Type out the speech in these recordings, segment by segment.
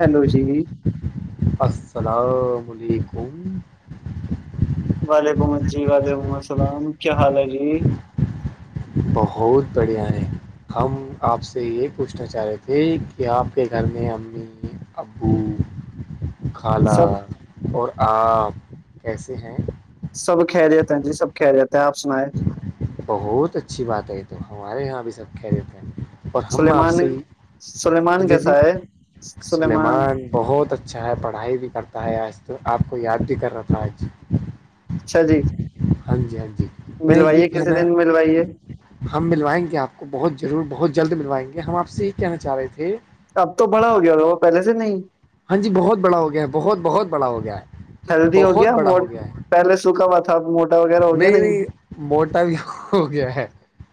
Hello جی السلام علیکم وعلیکم جی وعلیکم السلام کیا حال ہے جی بہت بڑھیا ہیں ہم آپ سے یہ پوچھنا چاہ رہے تھے کہ آپ کے گھر میں امی ابو خالہ سب اور آپ کیسے ہیں سب کہہ دیتے ہیں جی سب کہہ جتا ہیں آپ سنیں بہت اچھی بات ہے یہ تو ہمارے یہاں ا بھی سب کہہ دیتے ہیں اور ہم سلیمان آپسی ہاں سلیمان جی جی کیسا ہے سلیمان بہت اچھا ہے پڑھائی بھی کرتا ہے آج تو آپ کو یاد بھی کر رہا تھا ہے آج اچھا جی ہاں جی ہاں جی میں یہ ملوائیے کسی کہنا دن ملوائیے ہم ملوائیں گے آپ کو بہت ضرور بہت جلد ملوائیں گے ہم آپ سے یہ کہنا چاہ رہے تھے اب تو بڑا ہو گیا ہو وہ پہلے سے نہیں ہاں جی بہت بڑا ہو گیا ہے بہت بہت بڑا ہو گیا ہے بہت بڑا ہو گیا ہے پہل سوکھا سب موٹا ہو گیا نہیں نہیں موٹا بھی ہو گیا ہے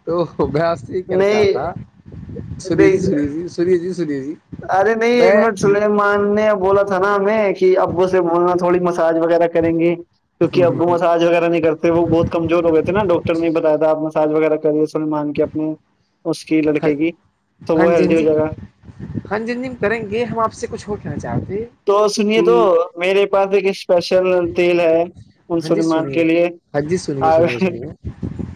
تو میں آج سے یہ کہنا چاہ رہا نہیں تھا سنی جی سنیی سنیے جی سنیے جی ارے نہیں ایک میں منٹ چل مان نے بولا تھا نا ہمیں کہ ابو سے بولنا تھوڑی مساج وغیرہ کریں گے کیونکہ ابو مساج وغیرہ نہیں کرتے وہ بہت کمزور ہو گئے تھے نا ڈاکٹر نہیں بتایا تھا آ مساج وغیرہ کریے س مان کے اپنے اس کی لڑکے کی تو وہ ہیلدی ہو جائے گا خن جنجم کریں گے ہم آپ سے کچھ اور کہنا چاہتے تو سنیے کہ تو میرے پاس ایک اسپیشل تیل ہے ہاں جی منسلمان سنیے کے لیے ہاں جی سنیے سنیے سنیے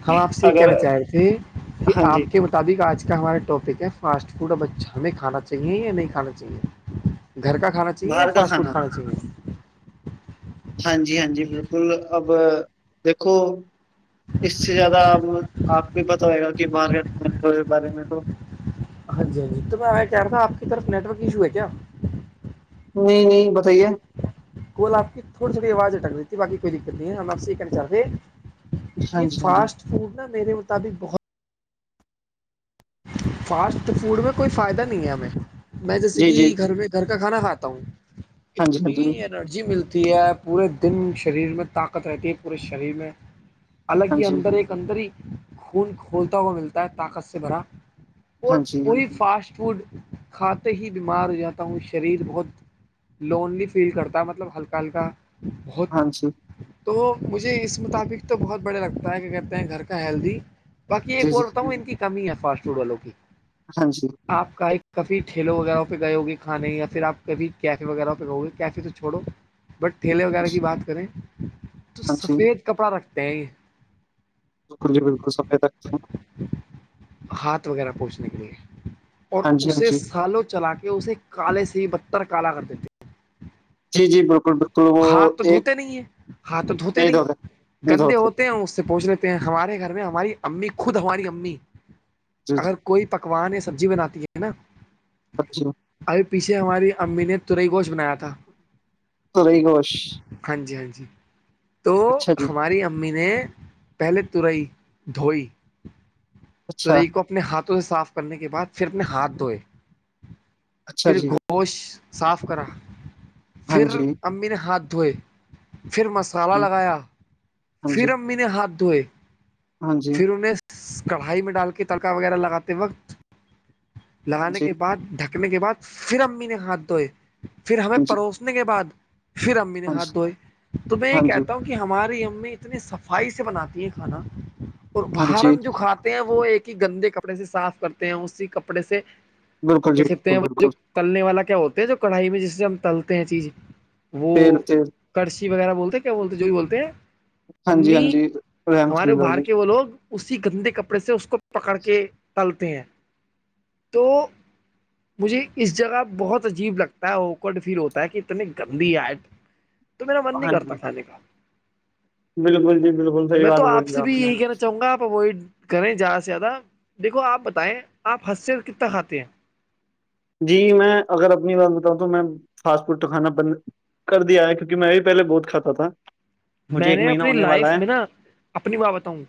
ہم آپ سے یہ کہنا اگر چاہ رہے تھے کہ ہاں آپ جی کے مط مطابق آج کا ہمارے ٹاپک ہے فاسٹ فوڈ ابچ ہمیں کھانا چاہیے یا نہیں کھانا چاہیے گھر کا کھانا چاہیے یا باہر کا فاٹ فوڈ کھانا چاہے ہاں جی ہاں جی بالکل اب دیکھو اس سے زیادہ اب آپ کو پت ہوئے گا کہ مارکیٹ بارے میں تو ہاں جی ہاں جی تو میں کہہ رہا تھا آپ کی طرف نیٹ ورک ایشو ہے کیا نہیں نہیں بتائیے کول آپ کی تھوڑی تھوڑی آواز اٹک دیتی ہے باقی کوئی دقت نہیں ہے ہم آپ سے یہ کہنا چاہتے ہیں ہاں یہ جی ہاں جی فاسٹ فوڈ نا میرے مطابق بہت فاسٹ فوڈ میں کوئی فائدہ نہیں ہے ہمیں میں جیسے جی جی کہ گھر میں گھر کا کھانا کھاتا ہوں ہاں جی ہاں اتنی انرجی ملتی ہے پورے دن شریر میں طاقت رہتی ہے پورے شریر میں الالک جی اندر ایک اندر ہی خون کھولتا ہوا ملتا ہے طاقت سے بھرا اور ہاں جی ہاں جی وہی فاسٹ فوڈ کھاتے ہی بیمار ہو جاتا ہوں شریر بہت لونلی فیل کرتا ہے مطلب ہلکا ہلکا بہت ہاں جی تو مجھے اس مطابق تو بہت بڑیا لگتا ہے کہ کہتے ہیں گھر کا ہیلدی باقی جی ایک جی اور بتا ہوں ان کی کمی ہے فاسٹ فوڈ والوں کی ہاں جی آپ کا ایک کبھی ٹھیلو وغیرہ پہ گئے ہو گے کھانے یا پھرپ کبھی کیفے وغیرہ پہ گو گے کیفے تو چھوڑو بٹ ٹھیلے ہاں وغیرہ جی کی بات کریں تو ہاں جی سفید کپڑا رکھتے ہیں یہ بالکل جی بالکل سبنے رگتے ہیں ہاتھ وغیرہ پہنچنے کے لیے اور ہاں جی ہاں اسے جی سالوں تک چلا کے اسے کالے سے ہی بتر کالا کر دیتے ہیں جی جی بالکل بالکل وہ ہاتھ تو ایک دھوتے نہیں ہیں ہاتھ تو دھوتے نہیں نہیں گندے دھوتے ہوتے ہیں اس سے پہچنےتے ہمارے گھر میں ہماری امی خود ہماری امی جی اگر جی کوئی پکوان سبزی بناتی ہے نا اچھا ابھی پیچھے ہماری امی نے ترئی گوشت بنایا تھا رہی گوش ہاں جی ہاں جی تو اچھا جی ہماری امی نے پہلے ترئی دھوئی اچھا ترئی کو اپنے ہاتھوں سے صاف کرنے کے بعد پھر اپنے ہاتھ دھوئے اچھا پھر جی گوشت صاف کرا ہاں پھر جی امی نے ہاتھ دھوئے پھر مس کالا ہاں لگایا ہاں جی پھر امیی نے ہاتھ دھوئے ہاں جی کام ہائی میں ڈال کے تڑکا وغیرہ لگاتے وقت ہاں لگانے جی کے بعد ڈھکا نے کے بعد پھر امی نے ہاتھ دھوئے پھر ہمیں ہاں جی پروسنے کے بعد پھر امی نے ہاں ہاتھ جی دھوئے تو میں یہ ہاں جی کہتا ہوں ہماری ایں اتنی صفائی سے بناتی ہیں کھانا اور ہاں بر جی ہم جو کھاتا ہیں وہ ایک ہی گندے کپڑے سے صاف کرتے ہیں اسی کپڑے سے بالکل جی کتے ہیں بالکل وہ جو بالکل تلنے والا کیا ہوتا ہے جو کڑھائی میں جس سے ہم تلتے ہیں چیز پھر کڑشی وغیرہ بولتے ہیں کیا بولتے جو بھی بولتے ہیں ہاں جی ہاں امی جی رحمت ہمارے اللہ باہر جی کے وہ لوگ اسی گندے کپڑے سے اس کو پکڑ کے ڈالتے ہیں تو مجھے اس جگہ بہت عجیب لگتا ہے اوکڈ فیل ہوتا ہے کہ اتنے گندی آئے تو میرا من نہیں ہاں جی کرتا کھانے کا بالکل جی بالکل صحیح میں بات تو آپ بولی سے بھی نے یہی کہنا چاہوں گا آپ وہی کریں زیادہ سے زیادہ دیکھو آپ بتائیں آپ ہنس کتنا کھاتے ہیں جی میں اگر اپنی بات بتاؤں تو میں فاسٹ فڈ کا کھانا بند کر دیا ہے کیونکہ میں بھی پہلے بہت کھاتا تھا مجھے میں ایک نے مہینہ اپنی ہونے والا لائف ہے میں نا اپنی ماں بتاؤں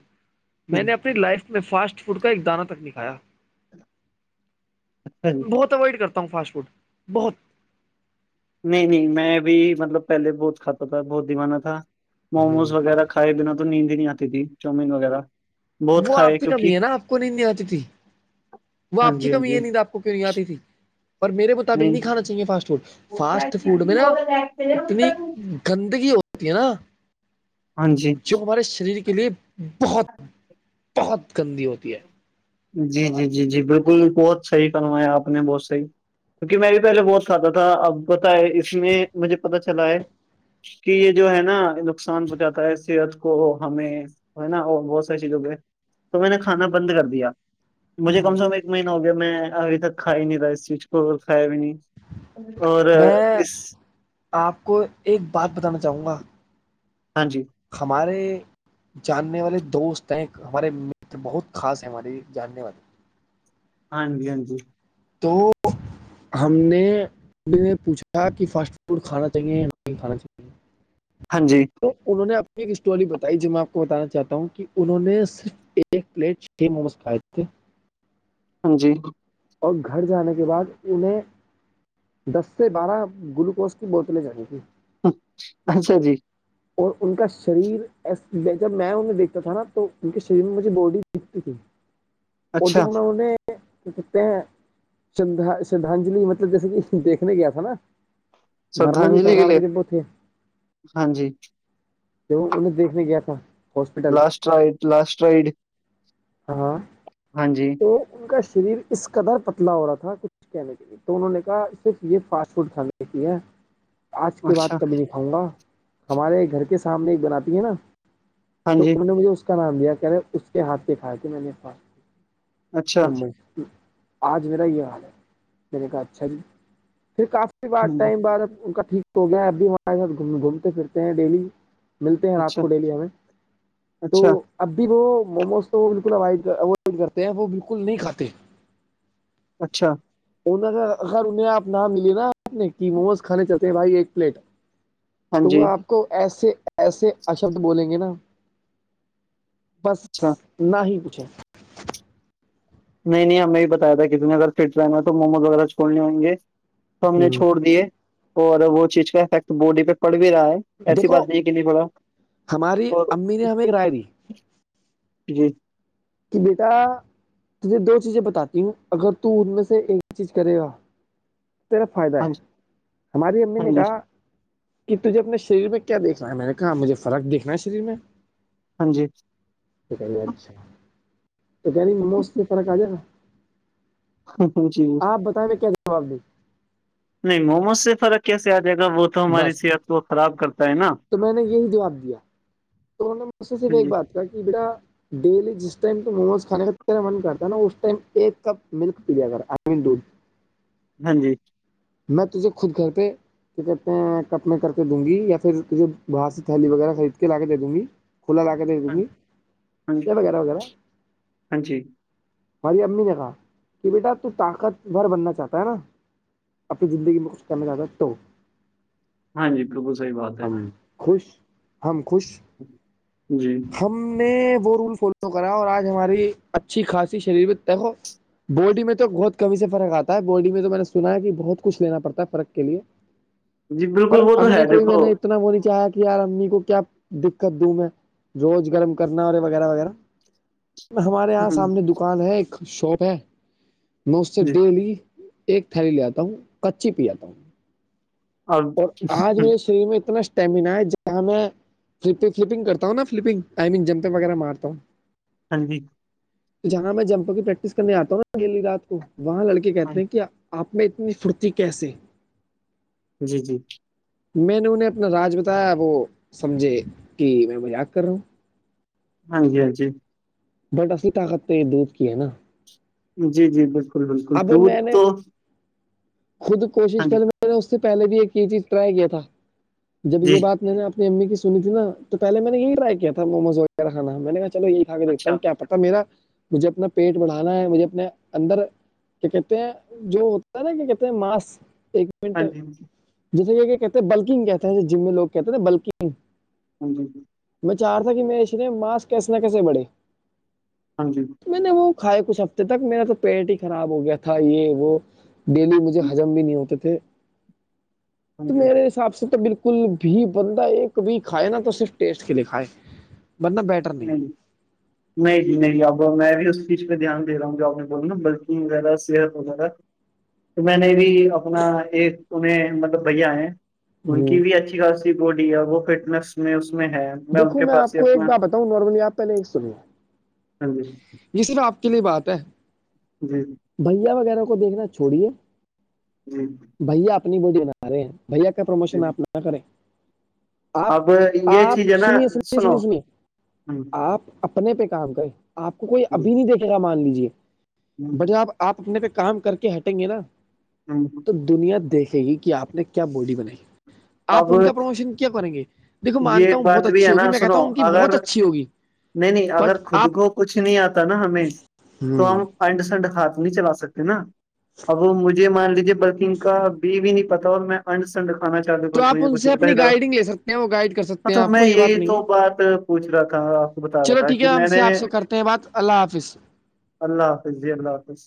میں جی۔ نے اپنی لائف میں فاسٹ فوڈ کا ایک دانہ تک نہیں کایا بہت اوائڈ کرتا ہوں فاسٹ فوڈ بہت نہیں نہیں میں بھی مطلب پہلے بہت کھاتا تھا بہت دوانہ تھا موموز وغیرہھ کائے بنا تو نیند ہی نہیں آتی تھی چاومین وغیرہ بہت وہ آپ کھائے کی کمی کیونکہ ہے نا آپ کو نہیں نہیں آتی تھی وہ ہاں آپ کی جی ہاں کمی جی یہ نہیں تھا آپ کو کیوں نہیں آتی تھی پر میرے مطابق نہیں کھانا چاہیے فاسٹ فوڈ فاسٹ فوڈ میں نا اتنی گندگی ہوتی ہے نا ہاں جی جو ہمارے شریر کی کے لیے بہت بہت گندی ہوتی ہے جی جی جی جی بالکل بہت صحیح کروایا آپ نے بہت صحیح کیونکہ میں بھی پہلے بہت سادہ تھا اب بتائے اس میں مجھے پتا چلا ہے کہ یہ جو ہے نا نقصان پہنچاتا ہے صحت کو ہمیں ہے نا اور بہت ساری چیزوں کے تو میں نے کھانا بند کر دیا مجھے ہے کم سے کم ایک ایک مہینہ ہو گیا میں ابھی تک کھا نہیں رہا سوچ کو کایا بھی نہیں اور میں اس آپ کو ایک بات بتانا چاہوں گا ہاں جی ہمارے جاننے والے دوست ہیں ہمارے مر بہت خاص ہیں ہمارے جاننے والے- ہاں جی، ہاں جی- تو ہم نے نے پوچھا کہ فاسٹ فوڈ کھانا چاہیے یا نہیں کھانا چاہیے- [inaudible] ہانجی- انہوں نے اپنی ایک اسٹوری بتائی جو میں آپ کو بتانا چاہتا ہوں کہ انہوں نے صرف- ایک پلیٹ چھ موموز کھائے تھے ہانجی- اور گھر جانے کے بعد انہیں- دس سے بارہ گلوکوز کی بوتلیں چاہییں گی- اچھا جی- اور ان کا شریر جب میں انہیں دیکھتا تھا نا تو ان کے شریر میں مجھے باڈی- اور اچھا جو نےتے ہیں- شھا شردھاجلی مطلب جیسے کہ دیکھنے گیا تھا نا- مرنے ہی کاال کے کبوتے- ہانجی- ج انہیں دیکھنے گیا تھا- hospital last ride last ride ہاں ہاں جی- تو ان کا شریر اس قدر پتلا ہو رہا تھا کچھ کیملی- تو انہوں نے کہا صرف یہ فاسٹ فوڈ کھانے کی ہے آج کے اچھا بعد کبھی نہیں کھاؤں گا- ہمارے گھر کے سامنے ایک بناتی ہے، نا ہاں تو جی ان نے مجھے- کا نام دیا کہے اس کے ہاتھ دکھھائے تھے میں نے- اچھا اج میرا یہ میں نے کہا اچھا جی پھر کافی بار اچھا ٹائم ان کا ٹھیک- تو گیا اب بھی ہمارے ساتھ گھومتے پھرتے ہیں ڈیلی- ملتے ہیں آپ کو ڈیلی ہمیں اچھا تو- اب بھی وہ موموز تو وہ بالکلو اوائڈ کرتے ہیں وہ بالکل نہیں کھاتے- اچھا- ان اگر اگر انہیں آپ نہ ملے نا آپ نے کہ موموز کھانے چلتے ہیں بھائی ایک پلیٹ- ہاں تو وہ جی آپ کو ایسے- ایسے اشبد بولیں گے نا- بس اچھا نہ ہی پوچھے- نہیں نہیں ہمیں بھی بتایا تھا کسی نے اگر فٹ رہا تو موموز وغیرہ چھول نہیںےائئ گے- تو ہم نے چھوڑ دیے اور وہ چیز کا افیکٹ باڈی پہ پڑ بھی رہا ہے- ایسی دیکھو بات نہیں ہے کہ نہیں پڑا ہماری اور امی نے ہمیں ایک رائے دی جی- کہ بیٹا تجھے دو چیزیں بتاتی ہوں اگر تو ان میں سے ایک چیز کرے گا- تیرا فائدہ ہاں ہے جی ہماری امی نے ہاں جی کہا- کہ تجھے اپنے شریر میں کیا دیکھنا ہے میں نے کہا مجھے فرق دیکھنا ہے شریر میں- ہانجی- اچھا ب انی موموز سے فرق آ جائے گا- ہاں ہ جی آپ بتائیںے کیا جواب د- نہیں موموز سے فرق کیسے آ جائے گا وہ- تو ہماری بس صحت کو خراب کرتا ہے نا تو میں نے یہی جواب دیا توہوں نے مجھ سے صرف ہاں ایک جی بات- بق بڑا ڈیلی جس ٹائم تو موموز کھانے کاا من کرتا ہے نا اس ٹائم ایک کپ ملک پیا کر مین دودھ- ہانجی میں تجے خود گھر پہ- کیا کہتے ہیں کپ میں کر کے دوں گی یا پھر کھے باہر سے تھیاللی وغیرہ خرید کے لا کے دے دوں گی کھلا ل کے د ہاں تمی ہاں یہ جی وغیرہ وغیرہ ہاں جی ہماری امی نے کہا کہ بیٹا تو طاقت بور بننا چاہتا ہے نا اپنی زندگی میں کچھ کرنا جا تو ہاں جی بالکل صحیح بات ہے ہم خوش ہم خوش جی ہم نے وہ رول فالو کرا اور آج ہماری اچھی خاصی شریر بھی تے ہو باڈی میں تو بہت کمی ہی سے فرق آتا ہے باڈی میں تو میں نے سنا ہے کہ بہت کچھ لینا پڑتا ہے فرق کے لیے جی پر بالکل وہ تو امی ہے کوئی میں دیکھو نے اتنا بنی چاہا کہ یار امی کو کیا دقت دوں میں روز گرم کرنا اور رہے وغیرہ وغیرہ ہمارے یہاں ہ سامنے دکان ہے ایک شاپ ہے میں اس سے جی ڈیلی ایک تھالی لے آتا ہوں کچی پ آا ہوں اور آج میرے شریر میں اتنا اسٹیمناا ہے جب کیا میں فلیں فلپنگ کرتا ہوں نا فلپنگ آئی مین جمپیں وغیرہ مارتا ہوں ہاں جی تو جہاں میں جمپوں کی پریکٹس کرنے آتا ہوں نا گیلی رات کو وہاں لڑکے ہاں کہتے ہیں کیا آپ میں اتنی پھرتی کیسے جی جی میں نے انہیں اپنا راج بتایا وہ سمجھے کہ میں مجاق کر رہا ہوں ہاں جی ہاں جی بٹا اصلی طاقت پہ یہ دودھ کی ہے نا جی جی بالکل بالکل اب دودھ میں نے تو ہاں خود کوشش کر جی میں میں نے اس سے پہلے بھی ایک یہ چیز ٹرائی کیا تھا جب یہ جی بات میں نے اپنی امی کی سنی ت ن تو پہلے میں نے یہی ٹرائی کیا تھا موموز وغیرہ کھا میں نے کہا چلو یہ ا دیکھتا اچھا ہوں کیا پتا میرا مجھے اپنا پیٹ بڑھانا ہے مجھے اپنے اندر کہ کہتے ہیں جو ہوتا ہے نا کہ کہتے ہیں ماس ایک ہاں جی ہاں جیسے یہ کیا کہتے ہیں بلکنگ کہتے ہیں ج جم میں لوگ کہتے ہیں ن بلکنگ ہاں جی میں چاہ رہ تھا کہ میرے سریر ماسک کیسے نہ کیسے بڑھے ہاں جی میں نے وہ کھاائے کچھ ہفتے تک میرا تو پیٹ ہی خراب ہو گیا تھا یہ وہ ڈیلی مجھے ہاں حجم بھی نہیں ہوتے تھے تو جی میرے حساب سے تو بالکل بالکل بھی بندہ ایک بھی کھائے نا تو صرف ٹیسٹ کے لیے کھائے ننا بیٹر نہیں نہیں جی نہیں اب میں بھی اس چیز پہ دھیانے رہا ہوں جو آپ نے بول نا بلکن وغیرہ صحت وغیرہ تو میں نے بھی اپنا ایک تمہیں مطلب بھیا ہیں ان ہوں کی بھی اچھی خاصی باڈی ہے وہ فٹنیس میں اس میں ہے ان دیکو کے میں آپ پاس ہی کو ایک اپنا بار بتاؤں نورمنی آپ پہلے ایک سنیے ہاں جی یہ سرف آپ کے لیے بات ہے جی جی بھیا وغیرہ کو دیکھنا چھوڑی ہے جی بھیا اپنی وہ دین رہے ہیں بھیا کا پرموشن جی آپ نہ کریں آپ اب یہ آپ چیز ہے نا سنیے سنیے سنو سنیے سنیے آپ اپنے پہ کام کریں آپ کو کوئی ابھی نہیں دیکھے گا مان لیجے بٹ ج آپ آپ اپنے پہ کام کر کے ہٹیں گے نا ہاں ہاں تو دنیا دیکھے گی کہ آپ نے کیا باڈی بنائی آپ اب ان کا پروموشن کیا کریں گے دیکو یہ مانتا ہوں بہت بات بھی اچھی ہے ہوگی نا میں سنو کہتا ہوں ان کی بہت اگر اچھی ہوی نہیں نہیں اگر خود کو کچھ نہیں آتا نا ہمیں تو ہم انڈ سنڈ ہاتھ نہیں چلا سکتے نا اب وہ مجھے مان لیجے بلکہ ان کا بھی بھی نہیں پتا اور میں انڈ سنڈ کھانا چاہوں تو آپ ان کچھ سے اٹ ہی اپنی تھا گائیڈنگ لے سکتے ہیں وہ گائڈ کر م سکتے ہیں توب آپ میں کو یہ بات یہی تو نہیں ہے بات پوچھ رہا تھا کو بتا رہا چلو تھا ٹھیک ہے کہ ہم میں سے نے آپ سے کرتے ہیں بات اللہ حافظ اللہ حافظ جی اللہ حافظ